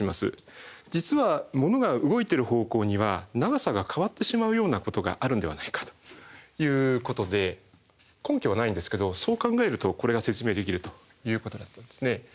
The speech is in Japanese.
実は物が動いてる方向には長さが変わってしまうようなことがあるんではないかということで根拠はないんですけどそう考えるとこれが説明できるということだったんですね。